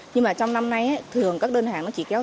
nhưng trong năm nay thường các đơn hàng sẽ được giảm sức